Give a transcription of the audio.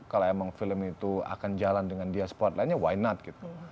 kalau emang film itu akan jalan dengan dia spotlight ya why not gitu